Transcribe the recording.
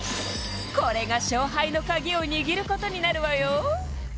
これが勝敗のカギをにぎることになるわよ